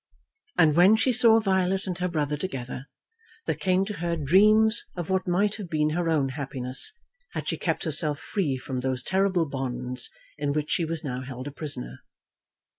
And when she saw Violet and her brother together there came to her dreams of what might have been her own happiness had she kept herself free from those terrible bonds in which she was now held a prisoner.